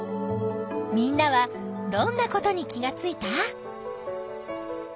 みんなはどんなことに気がついた？